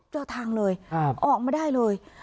เจอทางเลยออกมาได้เลย